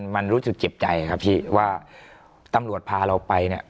มันรู้สึกเจ็บใจครับพี่ว่าตำรวจพาเราไปเนี่ย